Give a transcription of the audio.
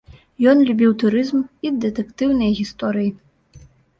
Ён любіў турызм і дэтэктыўныя гісторыі.